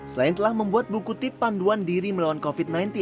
selain telah membuat buku tip panduan diri melawan covid sembilan belas